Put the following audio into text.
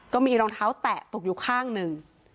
ก็มีรองเท้าแตะตกอยู่ข้างหนึ่ง